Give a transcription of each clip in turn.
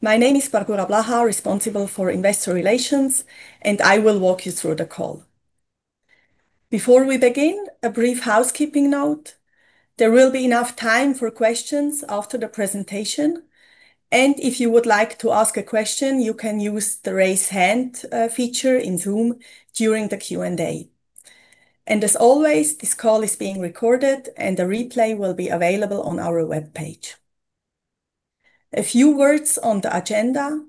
My name is Barbora Blaha, responsible for investor relations, I will walk you through the call. Before we begin a brief housekeeping note. There will be enough time for questions after the presentation, if you would like to ask a question. You can use the raise hand feature in Zoom during the Q&A. As always, this call is being recorded and a replay will be available on our webpage. A few words on the agenda,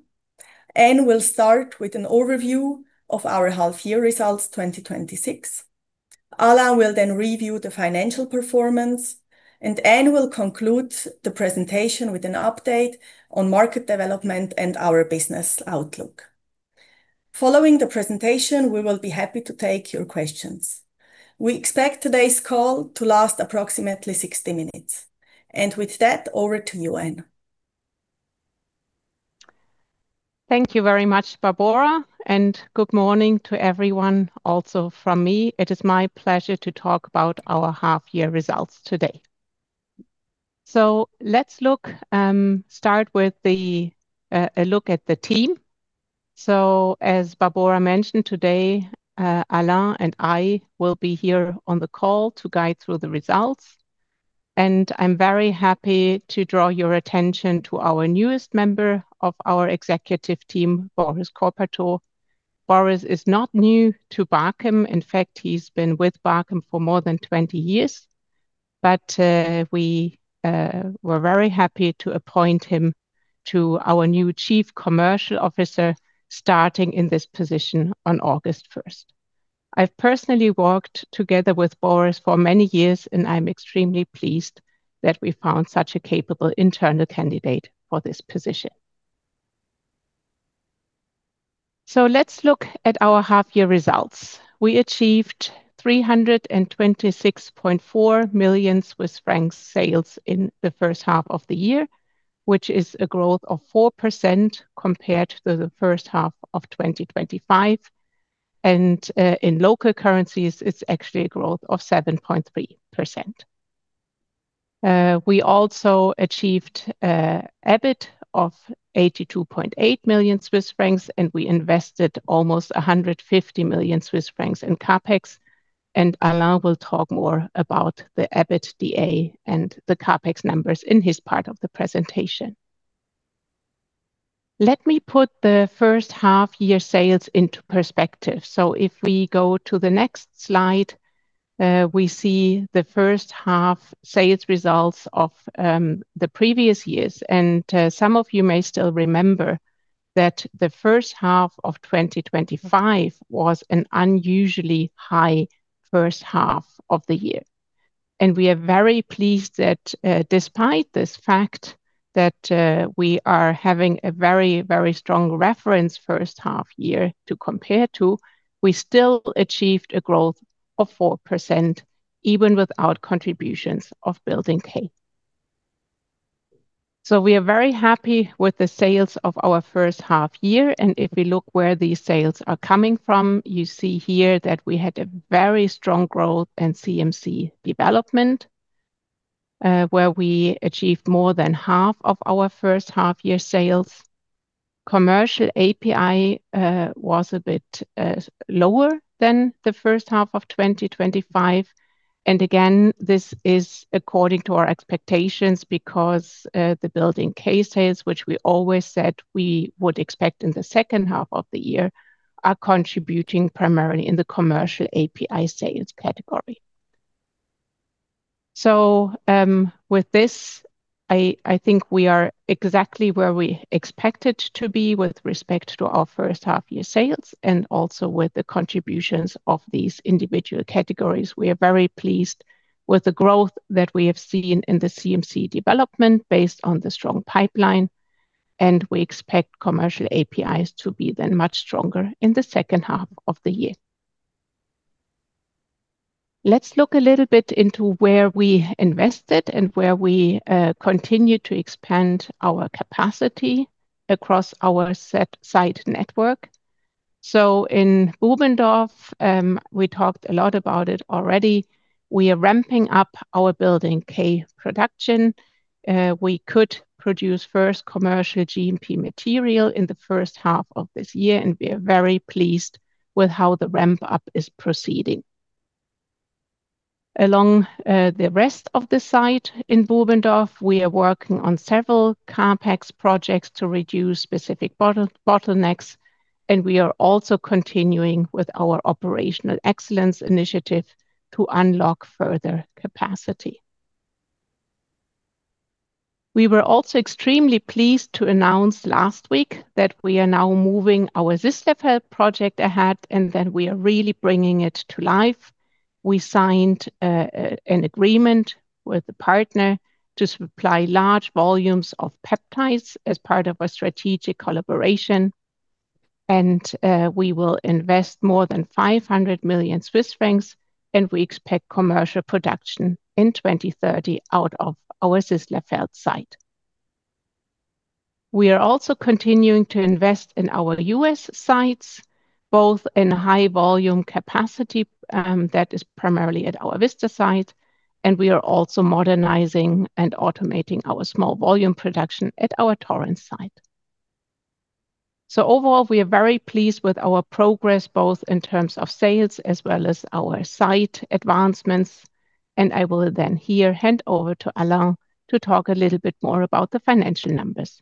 we'll start with an overview of our half year results 2026. Alain will then review the financial performance, Anne will conclude the presentation with an update on market development and our business outlook. Following the presentation, we will be happy to take your questions. We expect today's call to last approximately 60 minutes. With that, over to you Anne. Thank you very much, Barbora, good morning to everyone also from me. It is my pleasure to talk about our half year results today. Let's start with a look at the team. As Barbora mentioned today, Alain and I will be here on the call to guide through the results, I'm very happy to draw your attention to our newest member of our executive team, Boris Corpataux. Boris is not new to Bachem. In fact, he's been with Bachem for more than 20 years. We were very happy to appoint him to our new Chief Commercial Officer, starting in this position on August 1st. I've personally worked together with Boris for many years, I'm extremely pleased that we found such a capable internal candidate for this position. Let's look at our half year results. We achieved 326.4 million Swiss francs sales in the H1 of the year, which is a growth of 4% compared to the H1 of 2025. In local currencies, it's actually a growth of 7.3%. We also achieved EBIT of 82.8 million Swiss francs, we invested almost 150 million Swiss francs in CapEx. Alain will talk more about the EBITDA and the CapEx numbers in his part of the presentation. Let me put the H1 year sales into perspective. If we go to the next slide, we see the H1 sales results of the previous years. Some of you may still remember that the H1 of 2025 was an unusually high H1 of the year. We are very pleased that despite this fact that we are having a very strong reference H1 year to compare to, we still achieved a growth of 4%, even without contributions of Building K. We are very happy with the sales of our first half year. If we look where these sales are coming from, you see here that we had a very strong growth in CMC Development, where we achieved more than half of our H1 year sales. Commercial API was a bit lower than the H1 of 2025. Again, this is according to our expectations because the Building K sales, which we always said we would expect in the H2 of the year, are contributing primarily in the Commercial API sales category. With this, I think we are exactly where we expected to be with respect to our H1 year sales, and also with the contributions of these individual categories. We are very pleased with the growth that we have seen in the CMC Development based on the strong pipeline, and we expect Commercial APIs to be much stronger in the H2 of the year. Let us look a little bit into where we invested and where we continue to expand our capacity across our site network. In Bubendorf, we talked a lot about it already. We are ramping up our Building K production. We could produce first Commercial GMP material in the H1 of this year, and we are very pleased with how the ramp-up is proceeding. Along the rest of the site in Bubendorf, we are working on several CapEx projects to reduce specific bottlenecks, and we are also continuing with our operational excellence initiative to unlock further capacity. We were also extremely pleased to announce last week that we are now moving our Sisslerfeld project ahead, and that we are really bringing it to life. We signed an agreement with the partner to supply large volumes of peptides as part of our strategic collaboration. We will invest more than 500 million Swiss francs, and we expect commercial production in 2030 out of our Sisslerfeld site. We are also continuing to invest in our U.S. sites. Both in high volume capacity, that is primarily at our Vista site, and we are also modernizing and automating our small volume production at our Torrance site. Overall, we are very pleased with our progress, both in terms of sales as well as our site advancements. I will then here hand over to Alain to talk a little bit more about the financial numbers.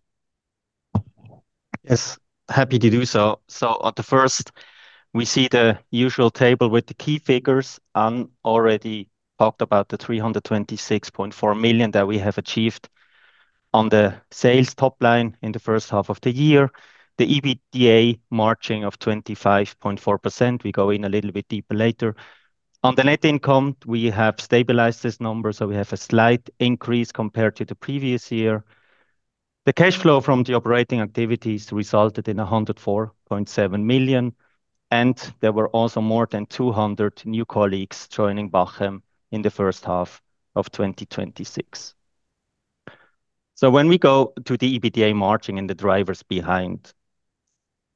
Yes, happy to do so. On the first, we see the usual table with the key figures. Anne already talked about the 326.4 million that we have achieved on the sales top line in the H1 of the year. The EBITDA margin of 25.4%, we go in a little bit deeper later. On the net income, we have stabilized this number. So, we have a slight increase compared to the previous year. The cash flow from the operating activities resulted in 104.7 million, and there were also more than 200 new colleagues joining Bachem in the H1 of 2026. When we go to the EBITDA margin and the drivers behind,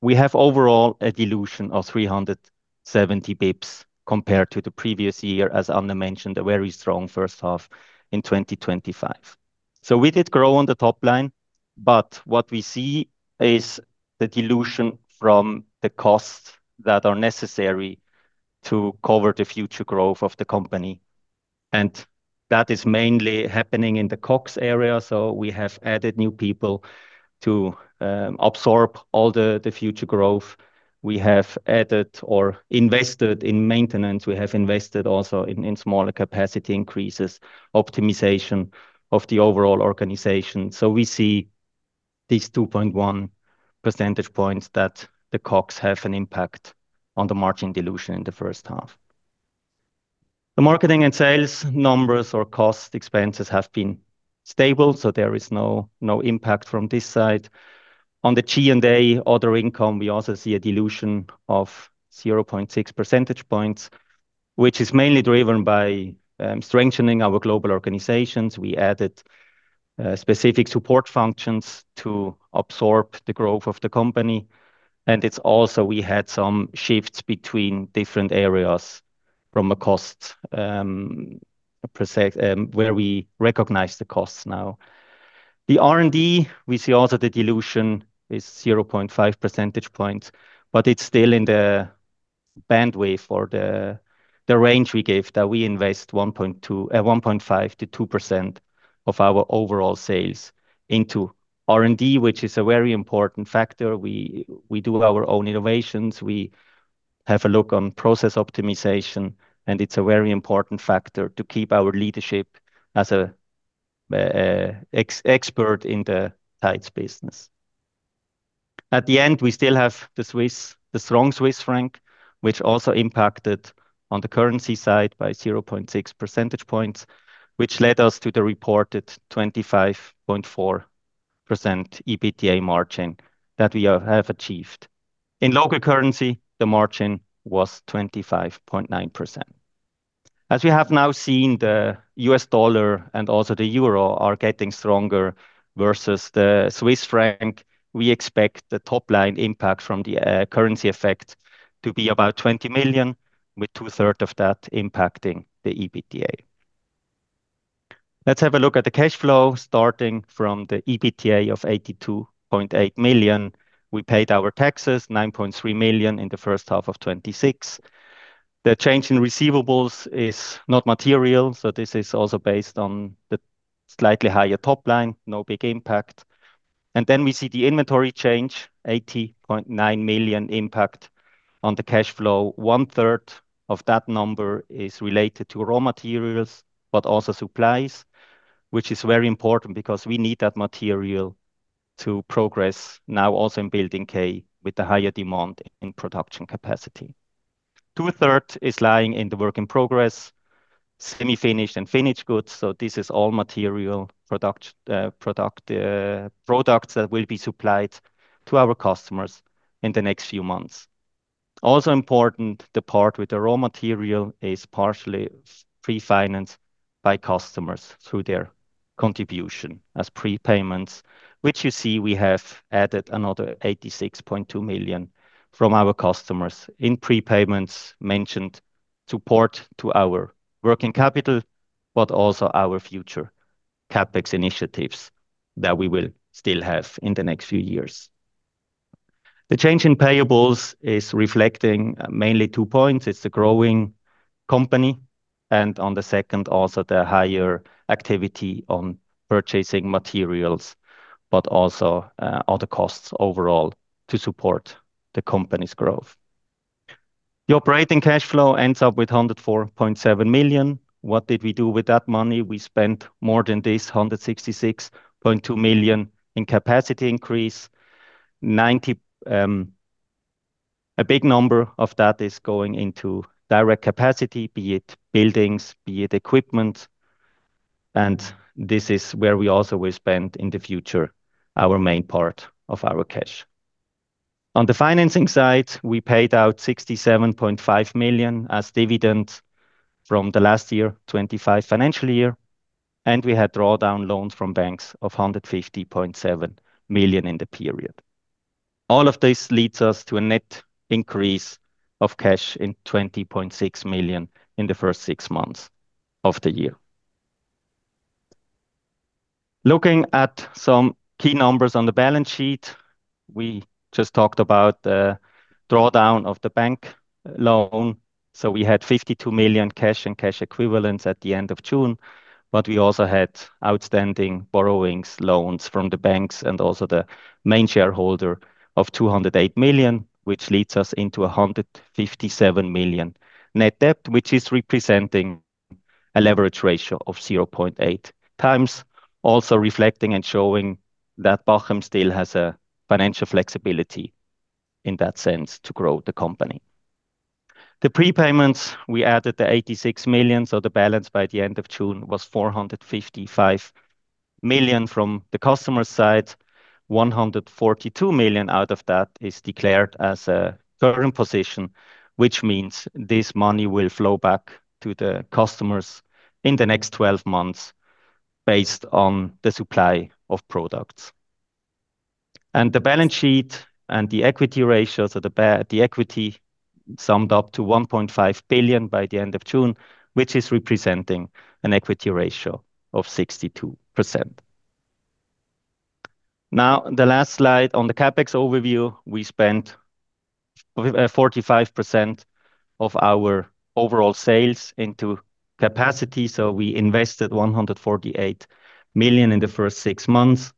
we have overall a dilution of 370 bps compared to the previous year as Anne mentioned, a very strong H1 in 2025. We did grow on the top line, what we see is the dilution from the costs that are necessary to cover the future growth of the company, that is mainly happening in the COGS area. We have added new people to absorb all the future growth. We have added or invested in maintenance. We have invested also in smaller capacity increases, optimization of the overall organization. We see these 2.1% points that the COGS have an impact on the margin dilution in the H1. The marketing and sales numbers or cost expenses have been stable, there is no impact from this side. On the G&A other income, we also see a dilution of 0.6% points, which is mainly driven by strengthening our global organizations. We added specific support functions to absorb the growth of the company, it's also we had some shifts between different areas from a cost, where we recognize the costs now. The R&D, we see also the dilution is 0.5% points, it's still in the band wave or the range we gave that we invest 1.5%-2% of our overall sales into R&D, which is a very important factor. We do our own innovations. We have a look on process optimization, it's a very important factor to keep our leadership as an expert in the tides business. At the end, we still have the strong Swiss franc, which also impacted on the currency side by 0.6% points, which led us to the reported 25.4% EBITDA margin that we have achieved. In local currency, the margin was 25.9%. As we have now seen, the US dollar and also the euro are getting stronger versus the Swiss franc. We expect the top line impact from the currency effect to be about 20 million, with two-thirds of that impacting the EBITDA. Let's have a look at the cash flow starting from the EBITDA of 82.8 million. We paid our taxes, 9.3 million in the H1 of 2026. The change in receivables is not material, this is also based on the slightly higher top line no big impact. We see the inventory change, 80.9 million impact on the cash flow. One-third of that number is related to raw materials, but also supplies, which is very important because we need that material to progress now also in building K with the higher demand in production capacity. Two-thirds is lying in the work in progress, semi-finished and finished goods. This is all material products that will be supplied to our customers in the next few months. Also important, the part with the raw material is partially pre-financed by customers through their contribution as prepayments, which you see we have added another 86.2 million from our customers in prepayments mentioned support to our working capital, but also our future CapEx initiatives that we will still have in the next few years. The change in payables is reflecting mainly two points. It's the growing company, on the second, also the higher activity on purchasing materials, but also other costs overall to support the company's growth. The operating cash flow ends up with 104.7 million. What did we do with that money? We spent more than this, 166.2 million in capacity increase. A big number of that is going into direct capacity, be it buildings. Be it equipment, and this is where we also will spend in the future our main part of our cash. On the financing side, we paid out 67.5 million as dividend from the last year, FY 2025. We had drawdown loans from banks of 150.7 million in the period. All of this leads us to a net increase of cash in 20.6 million in the first six months of the year. Looking at some key numbers on the balance sheet, we just talked about the drawdown of the bank loan. We had 52 million cash and cash equivalents at the end of June, but we also had outstanding borrowings loans from the banks and also the main shareholder of 208 million, which leads us into 157 million net debt, which is representing a leverage ratio of 0.8x, also reflecting and showing that Bachem still has a financial flexibility in that sense to grow the company. The prepayments, we added the 86 million, the balance by the end of June was 455 million from the customer side, 142 million out of that is declared as a current position, which means this money will flow back to the customers in the next 12 months based on the supply of products. The balance sheet and the equity ratio. The equity summed up to 1.5 billion by the end of June, which is representing an equity ratio of 62%. Now, the last slide on the CapEx overview, we spent 45% of our overall sales into capacity. We invested 148 million in the first six months,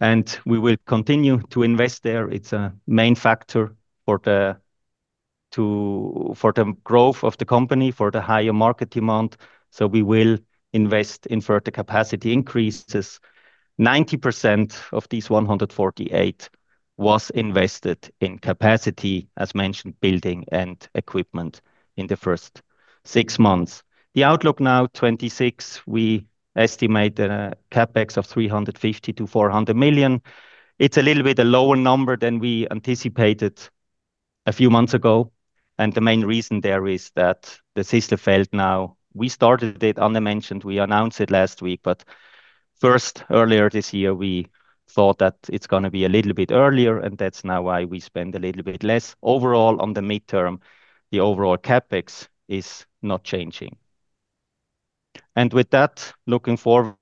and we will continue to invest there. It's a main factor for the growth of the company, for the higher market demand. We will invest in further capacity increases. 90% of these 148 was invested in capacity, as mentioned, building and equipment in the first six months. The outlook now 2026, we estimate a CapEx of 350 million-400 million. It's a little bit a lower number than we anticipated a few months ago, and the main reason there is that the Sisslerfeld now. We started it Anne mentioned, we announced it last week. But first, earlier this year, we thought that it's going to be a little bit earlier and that's now why we spend a little bit less. Overall on the midterm, the overall CapEx is not changing. With that, looking forward,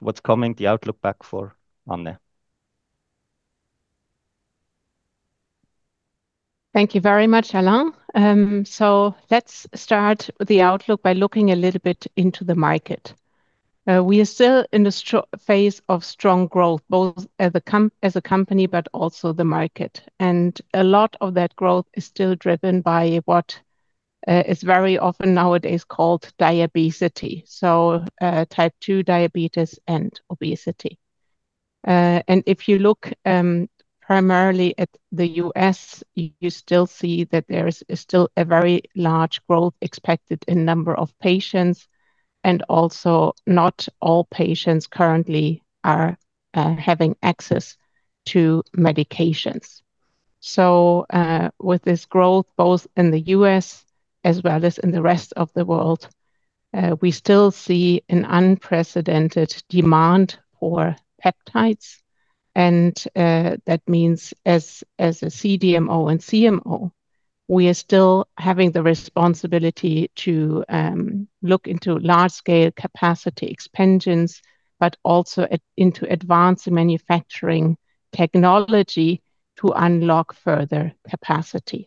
what's coming, the outlook back for Anne. Thank you very much, Alain. Let's start the outlook by looking a little bit into the market. We are still in the phase of strong growth, both as a company, but also the market. A lot of that growth is still driven by what is very often nowadays called diabesity. Type 2 diabetes and obesity. If you look primarily at the U.S., you still see that there is still a very large growth expected in number of patients, and also not all patients currently are having access to medications. With this growth both in the U.S. as well as in the rest of the world, we still see an unprecedented demand for peptides, and that means as a CDMO and CMO, we are still having the responsibility to look into large-scale capacity expansions, but also into advanced manufacturing technology to unlock further capacity.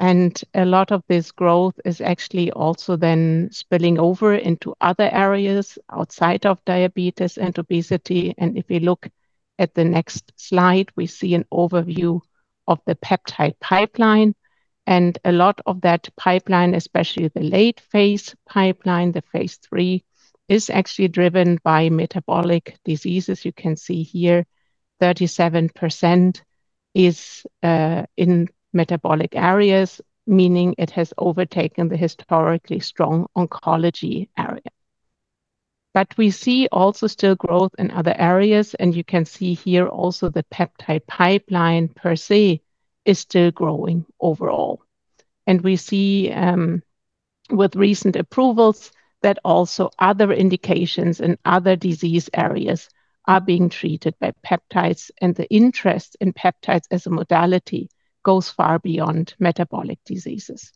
A lot of this growth is actually also then spilling over into other areas outside of diabetes and obesity. If we look at the next slide, we see an overview of the peptide pipeline. A lot of that pipeline, especially the late phase pipeline, the phase III, is actually driven by metabolic diseases. You can see here, 37% is in metabolic areas, meaning it has overtaken the historically strong oncology area. We see also still growth in other areas, and you can see here also the peptide pipeline per se is still growing overall. We see with recent approvals that also other indications in other disease areas are being treated by peptides, and the interest in peptides as a modality goes far beyond metabolic diseases.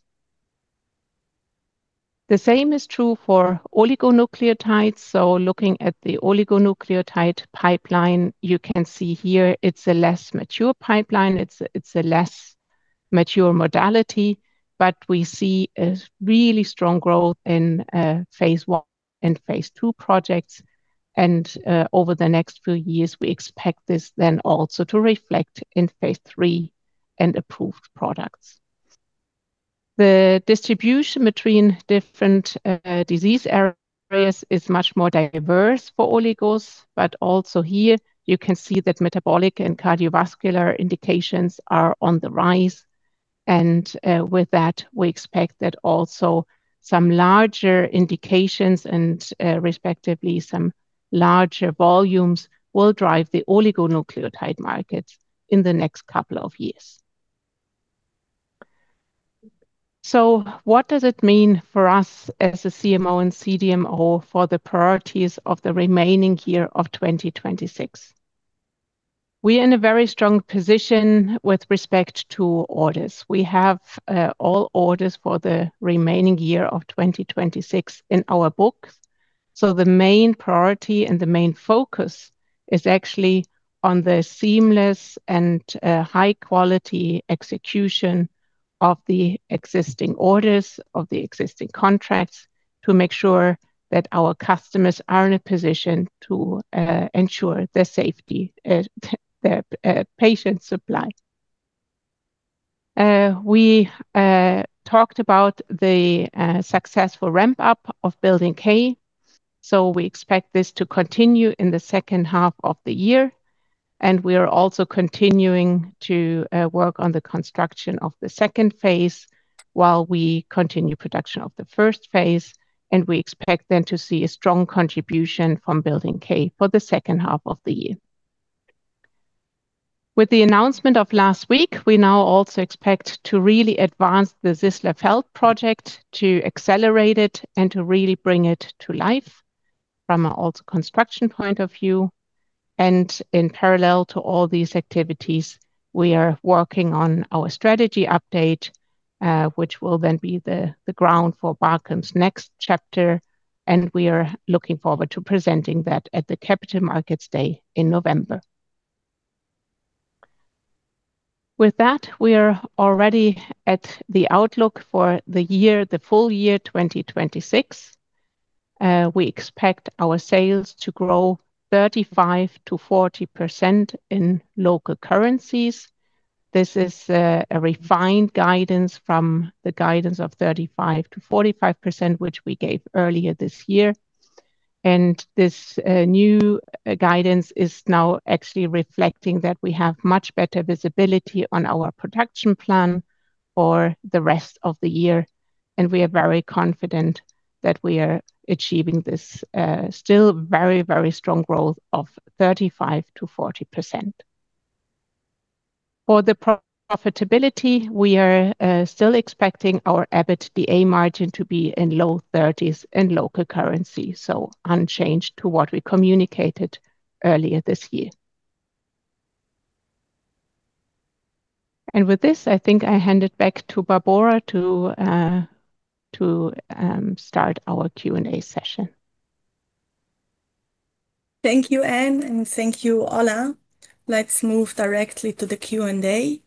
The same is true for oligonucleotides. Looking at the oligonucleotide pipeline, you can see here it's a less mature pipeline. It's a less mature modality, but we see a really strong growth in phase I and phase II projects. Over the next few years, we expect this then also to reflect in phase III and approved products. The distribution between different disease areas is much more diverse for oligos, but also here you can see that metabolic and cardiovascular indications are on the rise. With that, we expect that also some larger indications and respectively some larger volumes will drive the oligonucleotide market in the next couple of years. What does it mean for us as a CMO and CDMO for the priorities of the remaining year of 2026? We are in a very strong position with respect to orders. We have all orders for the remaining year of 2026 in our books. The main priority and the main focus is actually on the seamless and high-quality execution of the existing orders of the existing contracts to make sure that our customers are in a position to ensure their safety, their patient supply. We talked about the successful ramp-up of Building K. We expect this to continue in the H2 of the year. We are also continuing to work on the construction of the phase II while we continue production of the phase I. We expect then to see a strong contribution from Building K for the H2 of the year. With the announcement of last week, we now also expect to really advance the Sisslerfeld project, to accelerate it, and to really bring it to life from an also construction point of view. In parallel to all these activities, we are working on our strategy update, which will then be the ground for Bachem's next chapter, and we are looking forward to presenting that at the Capital Markets Day in November. We are already at the outlook for the full year 2026. We expect our sales to grow 35%-40% in local currencies. This is a refined guidance from the guidance of 35%-45%, which we gave earlier this year. This new guidance is now actually reflecting that we have much better visibility on our production plan for the rest of the year, and we are very confident that we are achieving this still very strong growth of 35%-40%. For the profitability, we are still expecting our EBITDA margin to be in low 30s in local currency, so unchanged to what we communicated earlier this year. With this, I think I hand it back to Barbora to start our Q&A session. Thank you, Anne, and thank you, Alain. Let's move directly to the Q&A.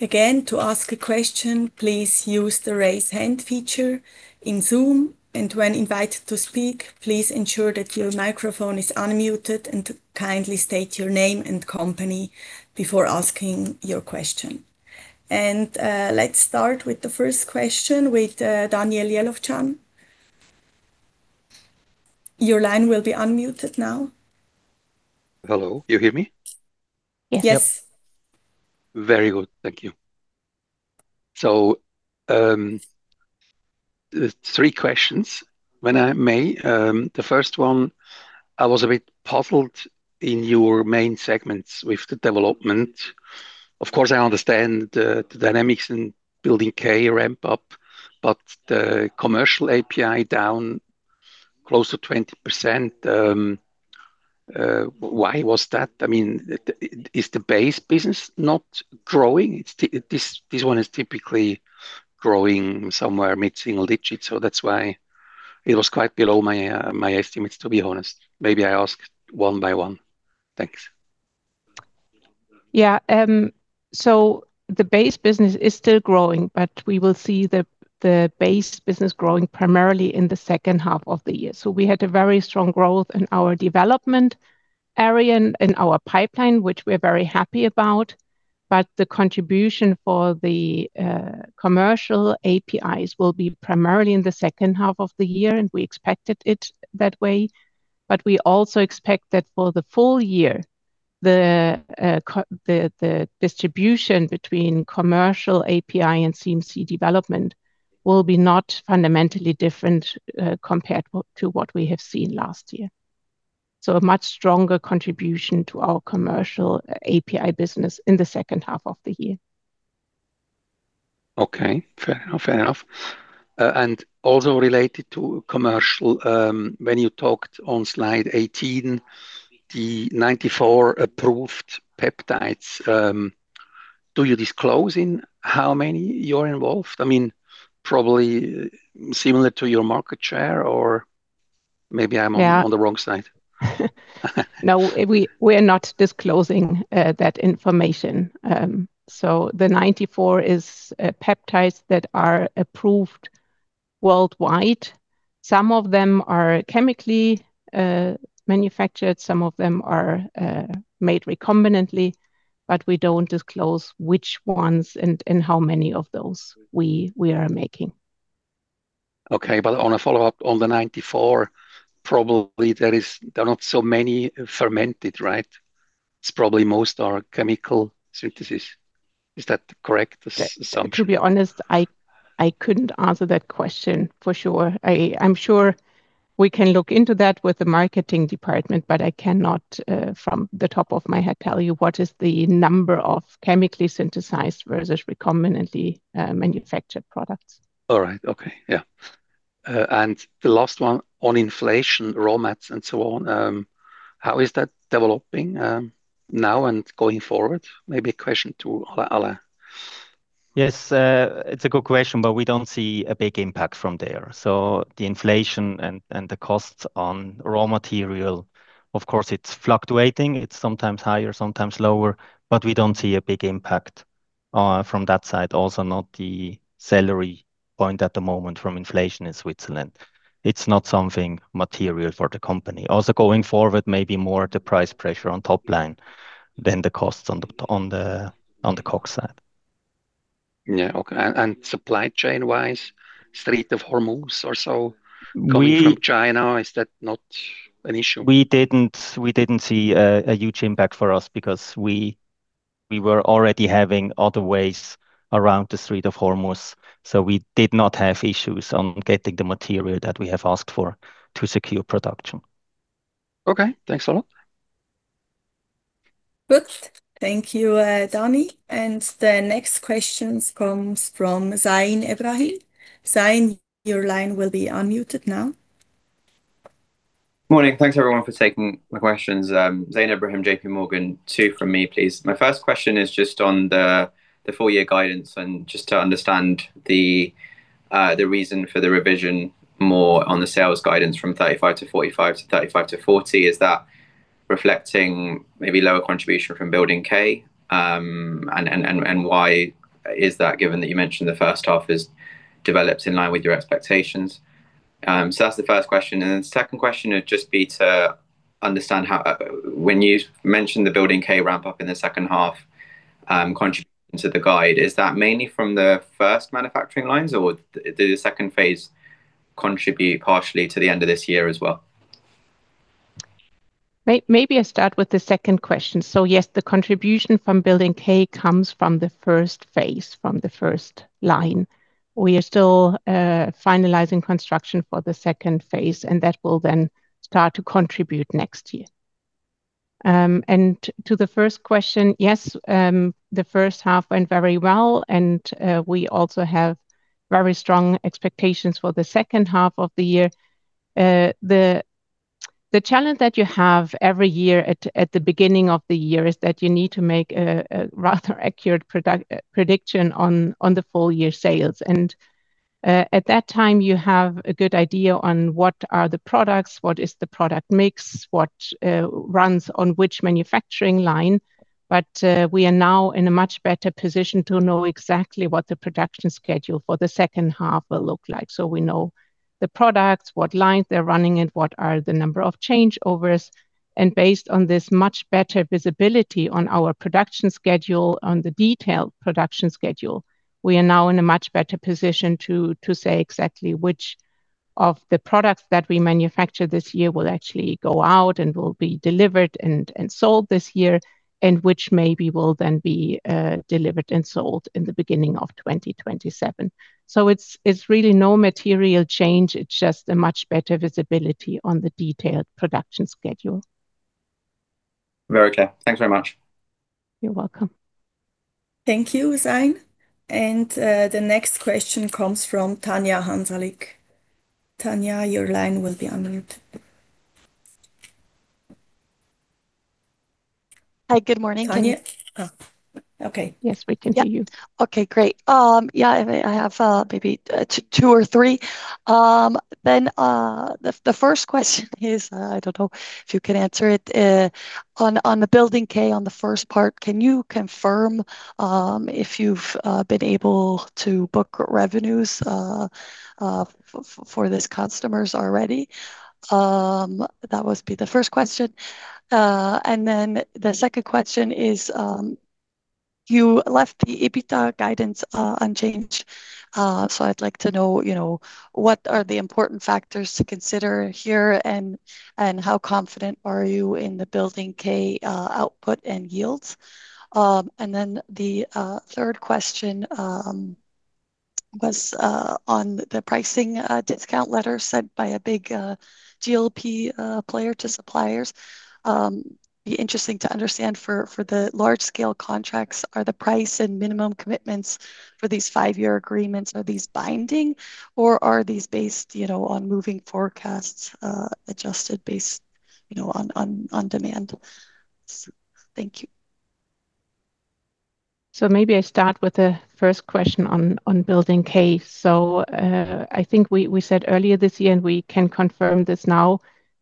Again, to ask a question, please use the raise hand feature in Zoom, and when invited to speak, please ensure that your microphone is unmuted and to kindly state your name and company before asking your question. Let's start with the first question with Daniel Jelovcan. Your line will be unmuted now. Hello. You hear me? Yes. Yes. Very good. Thank you. Three questions, when I may. The first one, I was a bit puzzled in your main segments with the development. Of course, I understand the dynamics in Building K ramp up, but the Commercial API down close to 20%. Why was that? Is the base business not growing? This one is typically growing somewhere mid-single digits, that is why it was quite below my estimates, to be honest. Maybe I ask one by one. Thanks. Yeah. The base business is still growing, but we will see the base business growing primarily in the H2 of the year. We had a very strong growth in our development area and in our pipeline, which we are very happy about, but the contribution for the Commercial APIs will be primarily in the H2 of the year, and we expected it that way. We also expect that for the full year, the distribution between Commercial API and CMC Development will be not fundamentally different compared to what we have seen last year. A much stronger contribution to our Commercial API business in the H2 of the year. Okay. Fair enough. Also related to commercial, when you talked on slide 18, the 94 approved peptides. Do you disclose in how many you are involved? Probably similar to your market share, or maybe I am on the wrong side. Yeah. No, we are not disclosing that information. The 94 is peptides that are approved worldwide. Some of them are chemically manufactured, some of them are made recombinantly, but we don't disclose which ones and how many of those we are making. Okay. On a follow-up on the 94, probably there are not so many fermented, right? It's probably most are chemical synthesis. Is that the correct assumption? To be honest, I couldn't answer that question for sure. I'm sure we can look into that with the marketing department, but I cannot from the top of my head tell you what is the number of chemically synthesized versus recombinantly manufactured products. All right. Okay. Yeah. The last one on inflation, raw mats, and so on, how is that developing now and going forward? Maybe a question to Alain. It's a good question, but we don't see a big impact from there. The inflation and the costs on raw material. Of course, it's fluctuating, it's sometimes higher, sometimes lower, but we don't see a big impact from that side, also not the salary point at the moment from inflation in Switzerland. It's not something material for the company. Going forward, maybe more the price pressure on top line than the costs on the COGS side. Okay. Supply chain-wise, Strait of Hormuz or so? Coming from China, is that not an issue? We didn't see a huge impact for us because we were already having other ways around the Strait of Hormuz, we did not have issues on getting the material that we have asked for to secure production. Okay. Thanks a lot. Good. Thank you, Daniel. The next questions comes from Zain Ebrahim. Zain, your line will be unmuted now. Morning. Thanks everyone for taking my questions. Zain Ebrahim, JPMorgan. Two from me, please. My first question is just on the full year guidance and just to understand the reason for the revision more on the sales guidance from 35%-45% to 35%-40% Is that reflecting maybe lower contribution from Building K? Why is that given that you mentioned the H1 has developed in line with your expectations? That's the first question, the second question would just be to understand when you mentioned the Building K ramp up in the H2, contribution to the guide is that mainly from the first manufacturing lines, or do the phase II contribute partially to the end of this year as well? Maybe I start with the second question. Yes, the contribution from Building K comes from the phase I, from the first line. We are still finalizing construction for the phase II, that will then start to contribute next year. To the first question, yes, the H1 went very well, we also have very strong expectations for the H2 of the year. The challenge that you have every year at the beginning of the year is that you need to make a rather accurate prediction on the full year sales. At that time, you have a good idea on what are the products, what is the product mix, what runs on which manufacturing line. We are now in a much better position to know exactly what the production schedule for the H2 will look like. We know the products, what lines they're running and what are the number of changeovers. Based on this much better visibility on our production schedule, on the detailed production schedule, we are now in a much better position to say exactly which of the products that we manufacture this year will actually go out and will be delivered and sold this year, and which maybe will then be delivered and sold in the beginning of 2027. It's really no material change. It's just a much better visibility on the detailed production schedule. Very clear. Thanks very much. You're welcome. Thank you, Zain. The next question comes from Tanya Hansalik. Tanya, your line will be unmuted. Hi, good morning. Tanya? Oh, okay. Yes, we can hear you. Okay, great. Yeah, I have maybe two or three. The first question is, I don't know if you can answer it, on the Building K, on the first part, can you confirm if you've been able to book revenues for these customers already? That would be the first question. The second question is, you left the EBITDA guidance unchanged, I'd like to know what are the important factors to consider here, and how confident are you in the Building K output and yields? The third question was on the pricing discount letter sent by a big GLP player to suppliers. Be interesting to understand for the large scale contracts, are the price and minimum commitments for these five-year agreements, are these binding or are these based on moving forecasts, adjusted based on demand? Thank you. Maybe I start with the first question on Building K. I think we said earlier this year, and we can confirm this now,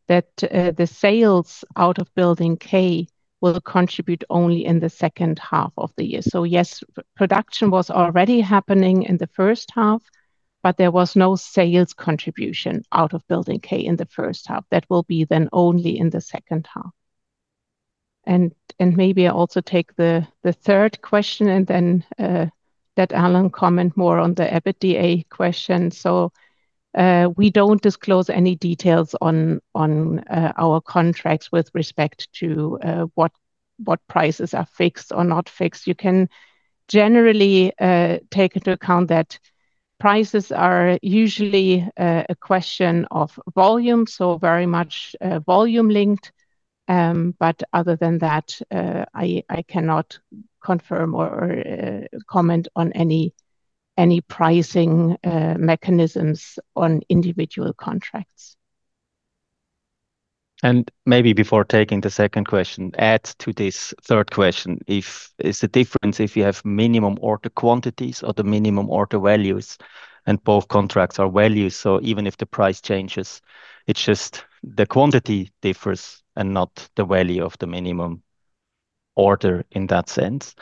that the sales out of Building K will contribute only in the H2 of the year. Yes, production was already happening in the H1, but there was no sales contribution out of Building K in the H1. That will be then only in the H2. Maybe I also take the third question and then let Alain comment more on the EBITDA question. We don't disclose any details on our contracts with respect to what prices are fixed or not fixed. You can generally take into account that prices are usually a question of volume, so very much volume linked. Other than that, I cannot confirm or comment on any pricing mechanisms on individual contracts. Maybe before taking the second question add to this third question, if there's a difference if you have minimum order quantities or the minimum order values and both contracts are values. Even if the price changes, it's just the quantity differs and not the value of the minimum order in that sense.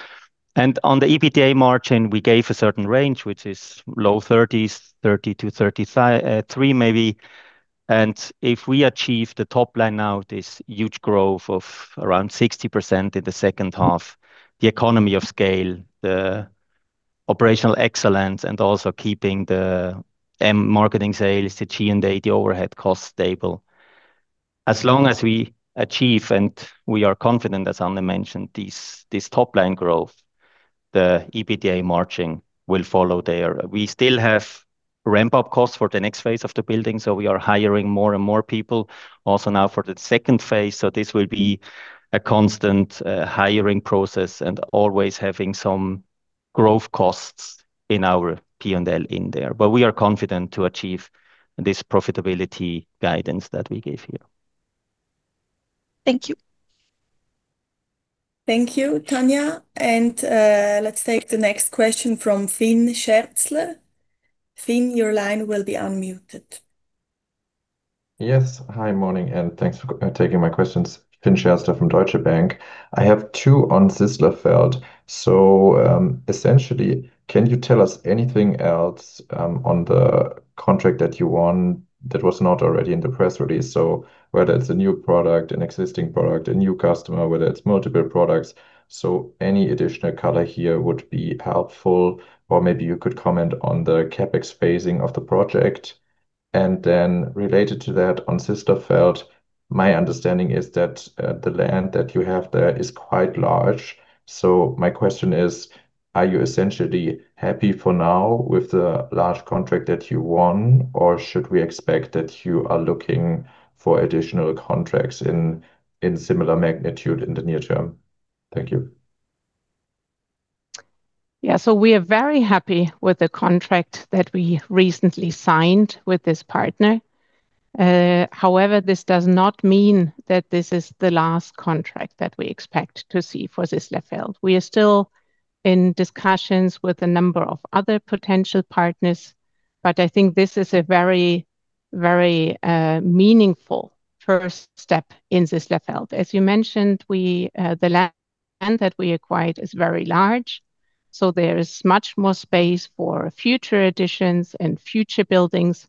On the EBITDA margin, we gave a certain range, which is low 30s, 30%-33% maybe. If we achieve the top line now, this huge growth of around 60% in the H2, the economy of scale, the operational excellence, and also keeping the marketing sales the G&A, the overhead cost stable. As long as we achieve, and we are confident as Anne, mentioned this top-line growth the EBITDA margin will follow there. We still have ramp-up costs for the next phase of the building, we are hiring more and more people also now for the phase II. This will be a constant hiring process and always having some growth costs in our P&L in there. We are confident to achieve this profitability guidance that we gave here. Thank you. Thank you, Tanya. Let's take the next question from Fynn Scherzler. Fynn, your line will be unmuted. Yes. Hi, morning, and thanks for taking my questions. Fynn Scherzler from Deutsche Bank. I have two on Sisslerfeld. Essentially, can you tell us anything else on the contract that you won that was not already in the press release? Whether it's a new product, an existing product, a new customer, whether it's multiple products. Any additional color here would be helpful. Or maybe you could comment on the CapEx phasing of the project. Then related to that, on Sisslerfeld, my understanding is that the land that you have there is quite large. My question is, are you essentially happy for now with the large contract that you won, or should we expect that you are looking for additional contracts in similar magnitude in the near term? Thank you. Yeah. We are very happy with the contract that we recently signed with this partner. However, this does not mean that this is the last contract that we expect to see for Sisslerfeld. We are still in discussions with a number of other potential partners, I think this is a very meaningful first step in Sisslerfeld. As you mentioned, the land that we acquired is very large. There is much more space for future additions and future buildings,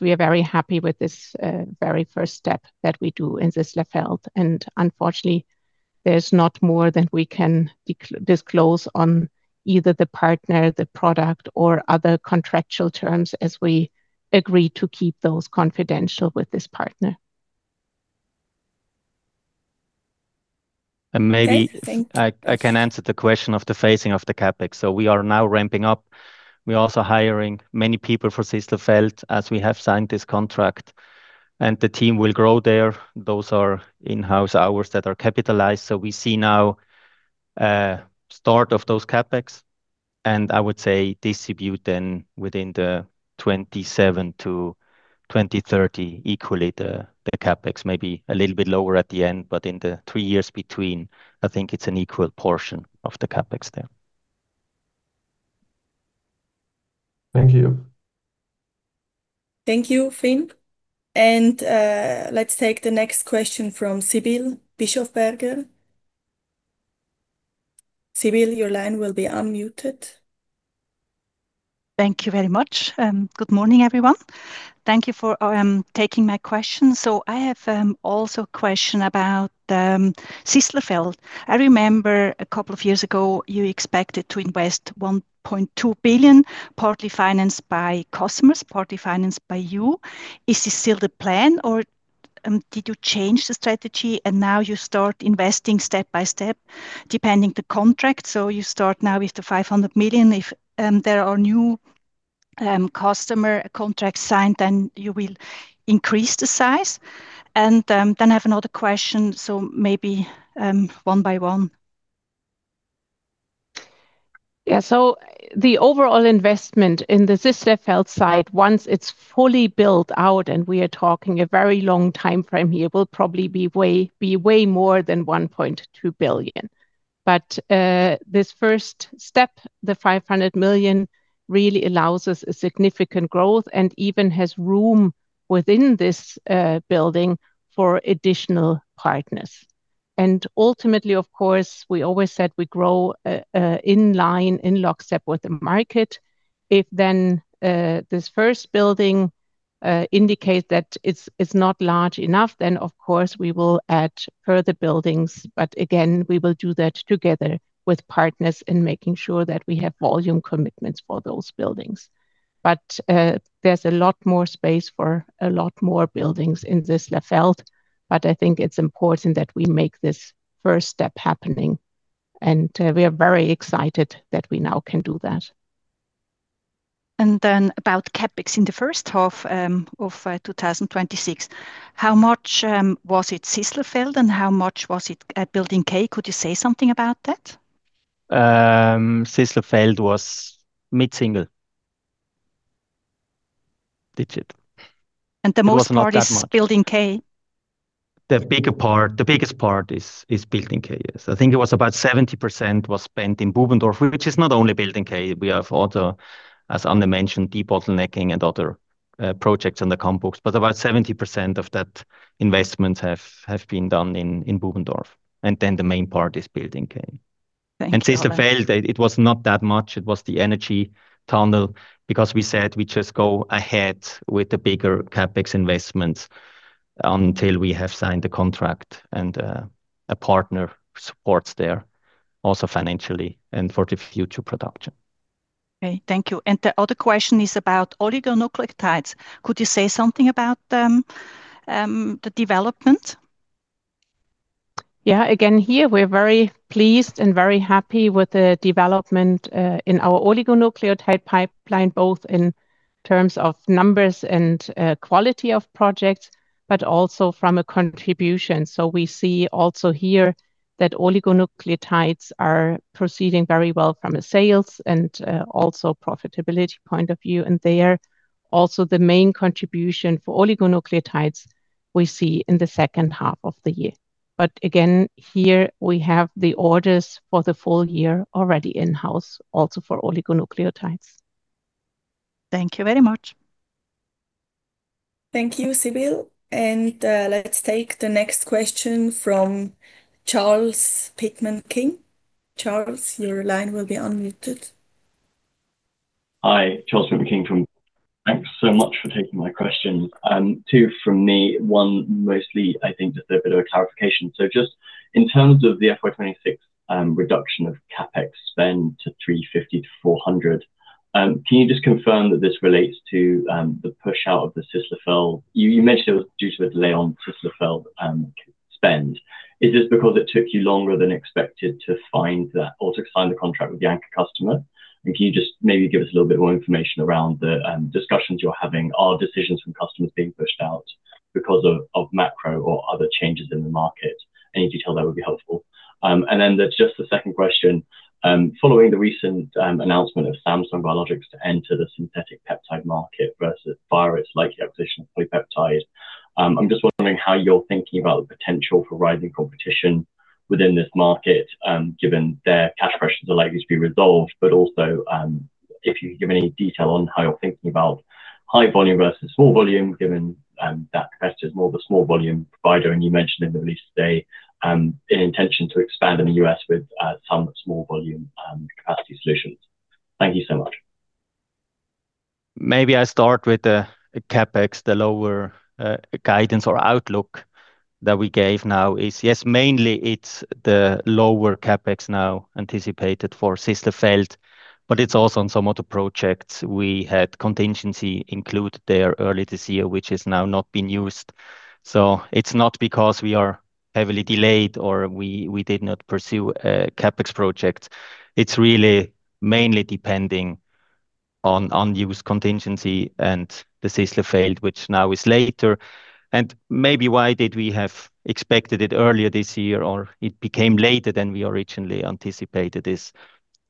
we are very happy with this very first step that we do in Sisslerfeld. Unfortunately, there's not more that we can disclose on either the partner, the product or other contractual terms as we agreed to keep those confidential with this partner. Maybe I can answer the question of the phasing of the CapEx. We are now ramping up. We are also hiring many people for Sisslerfeld as we have signed this contract, and the team will grow there. Those are in-house hours that are capitalized. We see now start of those CapEx, and I would say distribute then within the 2027 to 2030 equally the CapEx, maybe a little bit lower at the end, but in the three years between, I think it is an equal portion of the CapEx there. Thank you. Thank you, Fynn. Let's take the next question from Sibylle Bischofberger. Sibylle, your line will be unmuted. Thank you very much. Good morning, everyone. Thank you for taking my question. I have also a question about Sisslerfeld. I remember a couple of years ago, you expected to invest 1.2 billion, partly financed by Cosmos, partly financed by you. Is this still the plan, or did you change the strategy and now you start investing step by step depending the contract? You start now with the 500 million. If there are new customer contracts signed, you will increase the size? I have another question, maybe one by one. The overall investment in the Sisslerfeld site, once it's fully built out, and we are talking a very long timeframe here, will probably be way more than 1.2 billion. This first step, the 500 million, really allows us a significant growth and even has room within this building for additional partners. Ultimately, of course, we always said we grow in line in lockstep with the market. If this first building indicates that it's not large enough. Of course, we will add further buildings. Again, we will do that together with partners in making sure that we have volume commitments for those buildings. There's a lot more space for a lot more buildings in Sisslerfeld, but I think it's important that we make this first step happening. We are very excited that we now can do that. Then about CapEx in the H1 of 2026, how much was it Sisslerfeld, and how much was it Building K? Could you say something about that? Sisslerfeld was mid-single digit. It was not that much. The most part is Building K? The biggest part is Building K, yes. I think it was about 70% was spent in Bubendorf, which is not only Building K, we have other, as Anne mentioned, debottlenecking and other projects in the complex, but about 70% of that investments have been done in Bubendorf, and then the main part is Building K. Thank you. Sisslerfeld, it was not that much, it was the energy tunnel, because we said we just go ahead with the bigger CapEx investments until we have signed the contract and a partner supports there, also financially and for the future production. Okay, thank you. The other question is about oligonucleotides. Could you say something about the development? Again, here we're very pleased and very happy with the development in our oligonucleotide pipeline, both in terms of numbers and quality of projects, but also from a contribution. We see also here that oligonucleotides are proceeding very well from a sales and also profitability point of view, and they are also the main contribution for oligonucleotides we see in the H2 of the year. Again, here we have the orders for the full year already in-house, also for oligonucleotides. Thank you very much. Thank you, Sibylle. Let's take the next question from Charles Pitman-King. Charles, your line will be unmuted. Hi, Charles Pitman-King from. Thanks so much for taking my questions. Two from me, one mostly, I think, just a bit of a clarification. Just in terms of the FY 2026 reduction of CapEx spend to 350 million-400 million, can you just confirm that this relates to the push out of the Sisslerfeld? You mentioned it was due to a delay on Sisslerfeld spend. Is this because it took you longer than expected to find or to sign the contract with the anchor customer? Can you just maybe give us a little bit more information around the discussions you're having? Are decisions from customers being pushed out because of macro or other changes in the market? Any detail there would be helpful. Then there's just the second question. Following the recent announcement of Samsung Biologics to enter the synthetic peptide market versus Vir's likely acquisition of PolyPeptide, I'm just wondering how you're thinking about the potential for rising competition within this market, given their cash questions are likely to be resolved. But also, if you can give any detail on how you're thinking about high volume versus small volume, given that competitor is more of a small volume provider, and you mentioned in the release today an intention to expand in the U.S. with some small volume capacity solutions. Thank you so much. Maybe I start with the CapEx, the lower guidance or outlook that we gave now is yes. Mainly it's the lower CapEx now anticipated for Sisslerfeld, but it's also on some of the projects we had contingency included there early this year, which is now not been used. It's not because we are heavily delayed or we did not pursue CapEx projects. It's really mainly depending on unused contingency and the Sisslerfeld, which now is later. Maybe why did we have expected it earlier this year, or it became later than we originally anticipated is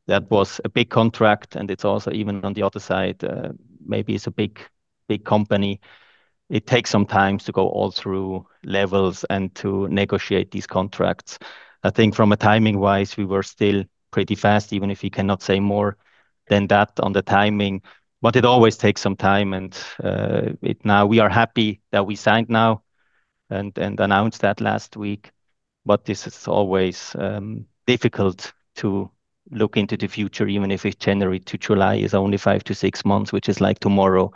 that was a big contract and it's also even on the other side, maybe it's a big company. It takes some time to go all through levels and to negotiate these contracts. I think from a timing wise, we were still pretty fast, even if we cannot say more than that on the timing, it always takes some time and now we are happy that we signed now and announced that last week. This is always difficult to look into the future, even if it's January to July is only five to six months, which is like tomorrow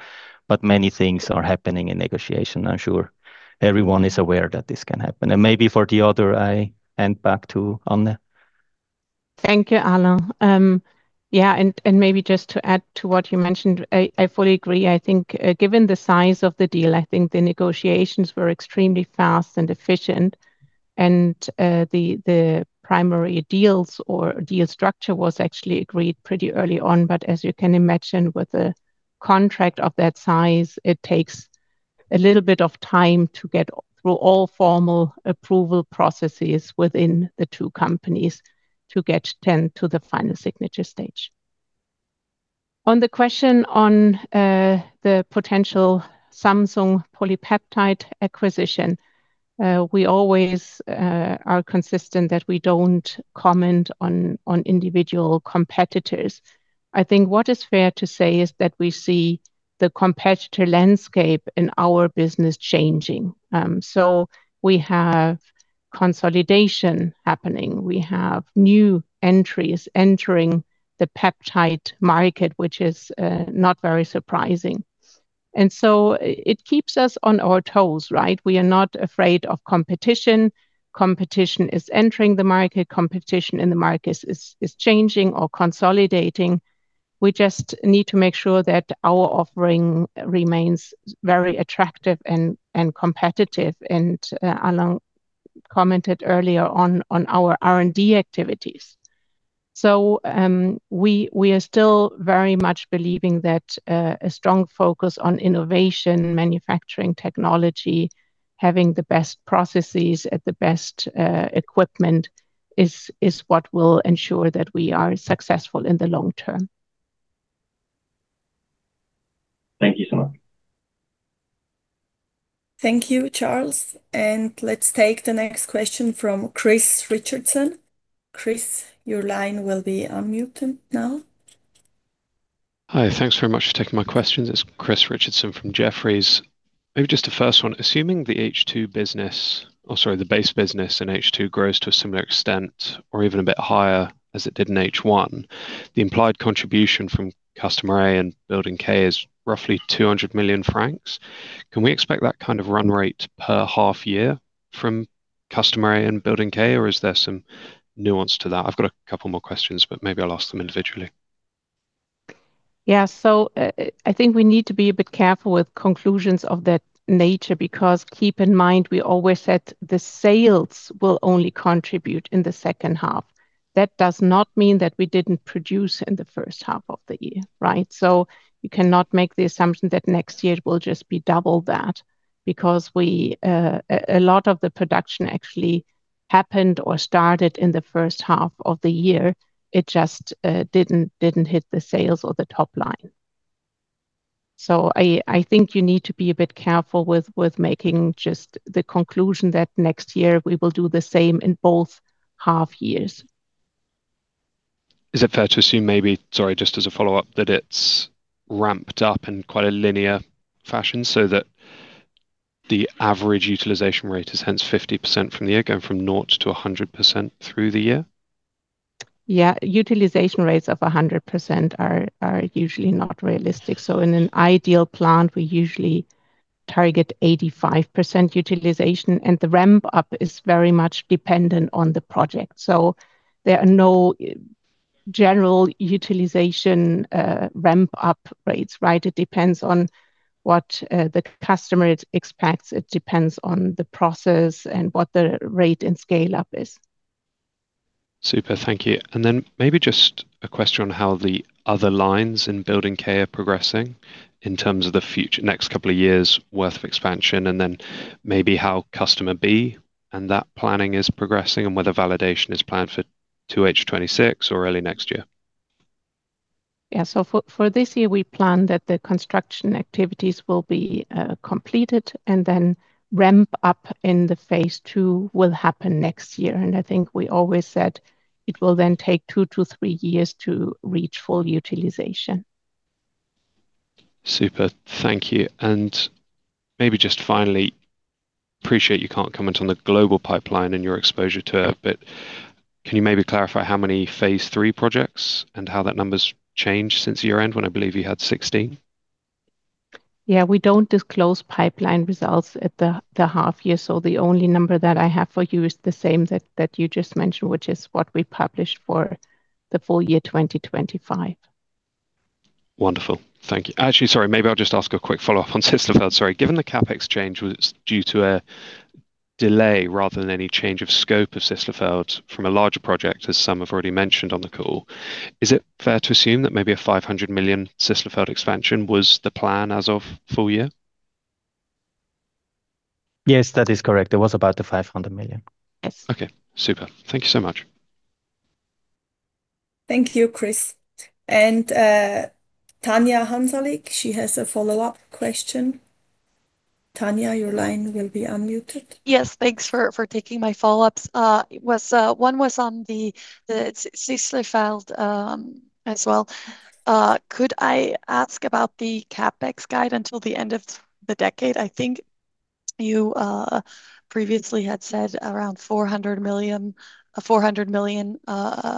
many things are happening in negotiation. I'm sure everyone is aware that this can happen. Maybe for the other, I hand back to Anne. Thank you, Alain. Yeah, maybe just to add to what you mentioned, I fully agree. I think given the size of the deal, I think the negotiations were extremely fast and efficient, and the primary deals or deal structure was actually agreed pretty early on. As you can imagine, with a contract of that size, it takes a little bit of time to get through all formal approval processes within the two companies to get then to the final signature stage. On the question on the potential Samsung PolyPeptide acquisition, we always are consistent that we don't comment on individual competitors. I think what is fair to say is that we see the competitor landscape in our business changing. We have consolidation happening. We have new entries entering the peptide market, which is not very surprising. It keeps us on our toes, right? We are not afraid of competition. Competition is entering the market. Competition in the market is changing or consolidating. We just need to make sure that our offering remains very attractive and competitive. Alain commented earlier on our R&D activities. We are still very much believing that a strong focus on innovation, manufacturing, technology, having the best processes and the best equipment is what will ensure that we are successful in the long term. Thank you so much. Thank you, Charles. Let's take the next question from Chris Richardson. Chris, your line will be unmuted now. Hi. Thanks very much for taking my questions. It's Chris Richardson from Jefferies. Maybe just the first one, assuming the H2 business or sorry, the base business in H2 grows to a similar extent or even a bit higher as it did in H1, the implied contribution from customer A and building K is roughly 200 million francs. Can we expect that kind of run rate per half year from customer A and building K, or is there some nuance to that? I've got a couple more questions, but maybe I'll ask them individually. Yeah. I think we need to be a bit careful with conclusions of that nature, because keep in mind, we always said the sales will only contribute in the H2. That does not mean that we didn't produce in the H1 of the year, right? You cannot make the assumption that next year it will just be double that because a lot of the production actually happened or started in the H1 of the year. It just didn't hit the sales or the top line. I think you need to be a bit careful with making just the conclusion that next year we will do the same in both half years. Is it fair to assume maybe sorry, just as a follow-up that it's ramped up in quite a linear fashion so that the average utilization rate is hence 50% from the year, going from nought to 100% through the year? Yeah. Utilization rates of 100% are usually not realistic. In an ideal plant, we usually target 85% utilization, and the ramp up is very much dependent on the project. There are no general utilization ramp-up rates, right? It depends on what the customer expects. It depends on the process and what the rate and scale-up is. Super. Thank you. Then maybe just a question on how the other lines in building K are progressing in terms of the next couple of years' worth of expansion, and then maybe how customer B and that planning is progressing, and whether validation is planned for to H26 or early next year. We plan that the construction activities will be completed and then ramp up in the phase II will happen next year. I think we always said it will then take two to three years to reach full utilization. Super. Thank you. Maybe just finally, appreciate you can't comment on the global pipeline and your exposure to it, can you maybe clarify how many phase III projects and how that number's changed since year-end when I believe you had 16? We don't disclose pipeline results at the half year. The only number that I have for you is the same that you just mentioned, which is what we published for the full year 2025. Wonderful. Thank you. Actually, sorry, maybe I'll just ask a quick follow-up on Sisslerfeld. Sorry. Given the CapEx change was due to a delay rather than any change of scope of Sisslerfeld from a larger project, as some have already mentioned on the call is it fair to assume that maybe a 500 million Sisslerfeld expansion was the plan as of full year? Yes, that is correct. It was about the 500 million. Yes. Okay. Super. Thank you so much. Thank you, Chris. Tanya Hansalik, she has a follow-up question. Tanya, your line will be unmuted. Yes. Thanks for taking my follow-ups. One was on the Sisslerfeld as well. Could I ask about the CapEx guide until the end of the decade? I think you previously had said around 400 million until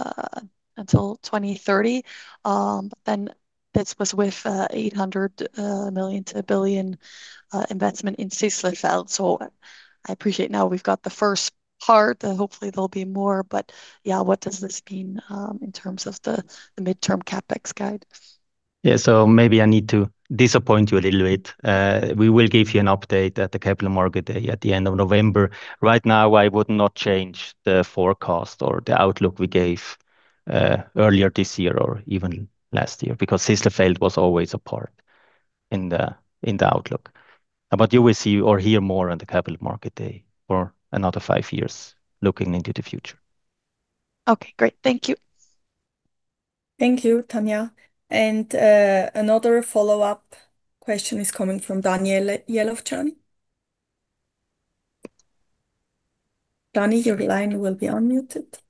2030, but then this was with 800 million-1 billion investment in Sisslerfeld. I appreciate now we've got the first part, and hopefully there'll be more. But yeah, what does this mean in terms of the midterm CapEx guide? Maybe I need to disappoint you a little bit. We will give you an update at the Capital Markets Day at the end of November. Right now, I would not change the forecast or the outlook we gave earlier this year or even last year, because Sisslerfeld was always a part in the outlook. You will see or hear more on the Capital Markets Day for another five years looking into the future. Okay, great. Thank you. Thank you, Tanya. Another follow-up question is coming from Daniel Jelovcan. Daniel, your line will be unmuted.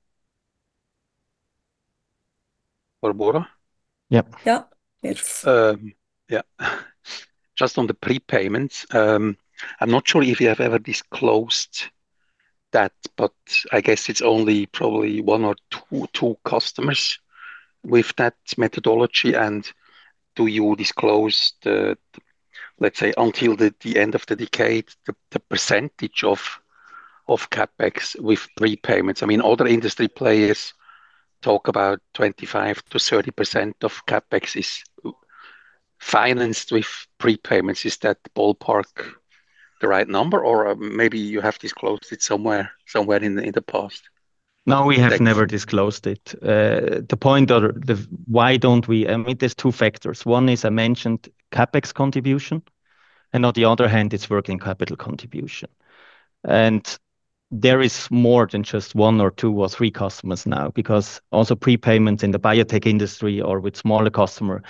For Barbora? Yep. Yeah. Just on the prepayments, I'm not sure if you have ever disclosed that, but I guess it's only probably one or two customers with that methodology. Do you disclose the, let's say, until the end of the decade the percentage of CapEx with prepayments? I mean, other industry players talk about 25%-30% of CapEx is financed with prepayments. Is that ballpark the right number, or maybe you have disclosed it somewhere in the past? No, we have never disclosed it. The point or why don't we, there's two factors. One is I mentioned CapEx contribution, and on the other hand, it's working capital contribution. There is more than just one or two or three customers now, because also prepayments in the biotech industry or with smaller customer,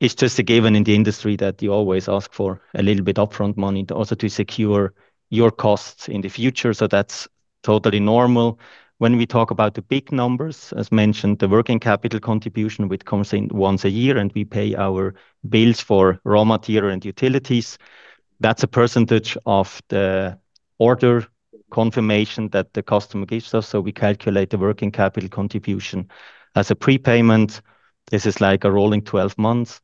it's just a given in the industry that you always ask for a little bit upfront money to also to secure your costs in the future. That's totally normal. When we talk about the big numbers, as mentioned, the working capital contribution, which comes in once a year and we pay our bills for raw material and utilities, that's a percentage of the order confirmation that the customer gives us. We calculate the working capital contribution as a prepayment. This is like a rolling 12 months.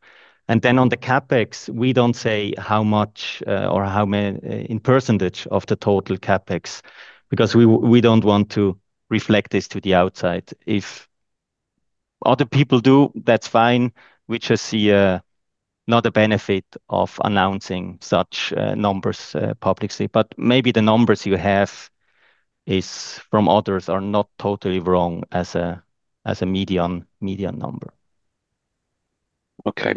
On the CapEx, we don't say how much, or how many in percentage of the total CapEx, because we don't want to reflect this to the outside. If other people do, that's fine. We just see not a benefit of announcing such numbers publicly. Maybe the numbers you have is from others are not totally wrong as a median number. Okay.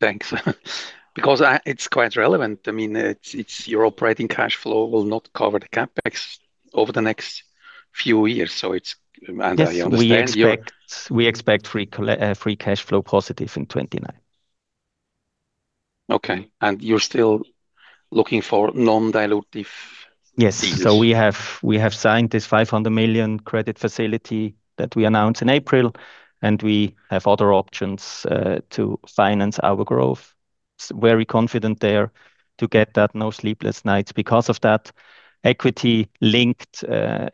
Thanks. It's quite relevant. I mean, your operating cash flow will not cover the CapEx over the next few years. I understand your- Yes, we expect free cash flow positive in 2029. Okay. You're still looking for non-dilutive deals. Yes. We have signed this 500 million credit facility that we announced in April, and we have other options to finance our growth. Very confident there to get that. No sleepless nights because of that. Equity-linked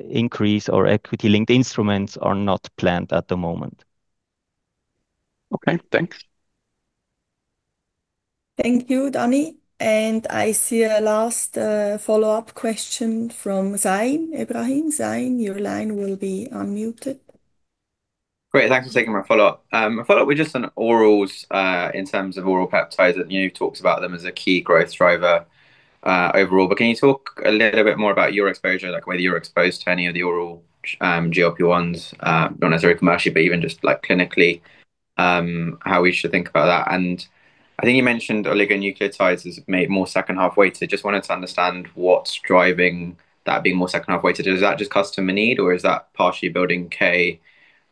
increase or equity-linked instruments are not planned at the moment. Okay, thanks. Thank you, Daniel I see a last follow-up question from Zain Ebrahim. Zain, your line will be unmuted. Great. Thanks for taking my follow-up. A follow-up with just on orals, in terms of oral peptides, you talked about them as a key growth driver overall. Can you talk a little bit more about your exposure, like whether you're exposed to any of the oral GLP-1s, not necessarily commercially, but even just clinically, how we should think about that. I think you mentioned oligonucleotides has made more H2 weight. Just wanted to understand what's driving that being more H2 weighted. Is that just customer need or is that partially Building K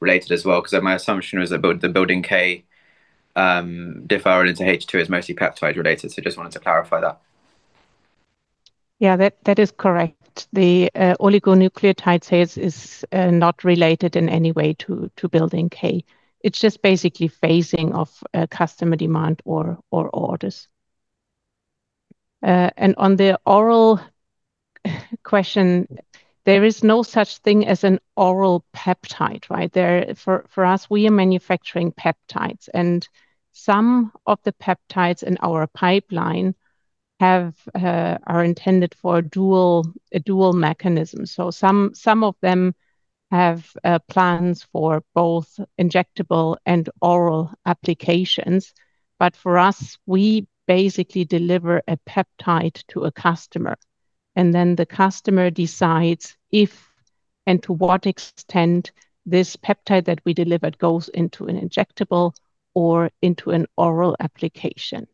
related as well? Because my assumption was that Building K deferral into H2 is mostly peptide related, just wanted to clarify that. Yeah, that is correct. The oligonucleotide sales is not related in any way to Building K. It's just basically phasing of customer demand or orders. On the oral question, there is no such thing as an oral peptide, right? For us, we are manufacturing peptides, some of the peptides in our pipeline are intended for a dual mechanism. Some of them have plans for both injectable and oral applications. For us, we basically deliver a peptide to a customer, then the customer decides if and to what extent this peptide that we delivered goes into an injectable or into an oral application.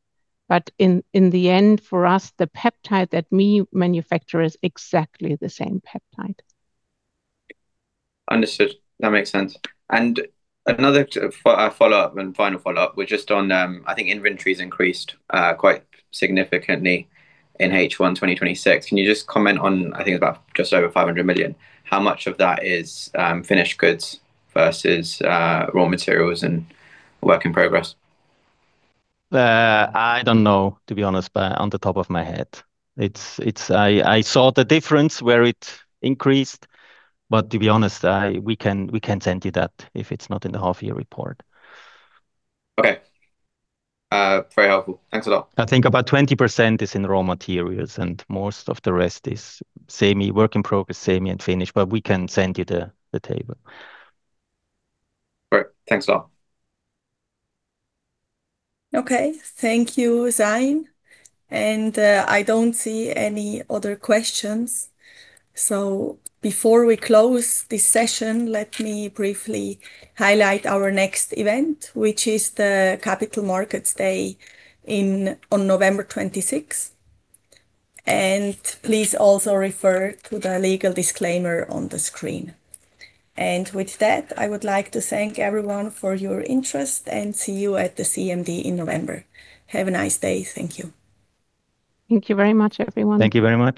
In the end, for us the peptide that we manufacture is exactly the same peptide. Understood. That makes sense. Another follow-up and final follow-up, I think inventories increased quite significantly in H1 2026. Can you just comment on, I think about just over 500 million, how much of that is finished goods versus raw materials and work in progress? I don't know, to be honest, off the top of my head. I saw the difference where it increased, but to be honest, we can send you that if it's not in the half year report. Okay. Very helpful. Thanks a lot. I think about 20% is in raw materials, and most of the rest is semi work in progress semi and finished, but we can send you the table. Great. Thanks a lot. Okay. Thank you, Zain. I don't see any other questions. Before we close this session, let me briefly highlight our next event, which is the Capital Markets Day on November 26th. Please also refer to the legal disclaimer on the screen. With that, I would like to thank everyone for your interest and see you at the CMD in November. Have a nice day. Thank you. Thank you very much, everyone. Thank you very much